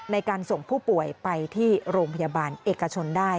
ในการส่งผู้ป่วยไปที่โรงพยาบาลเอกชนได้